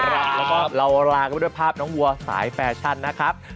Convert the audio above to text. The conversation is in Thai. แล้วก็เราลากันไปด้วยภาพน้องวัวสายแฟชั่นนะครับ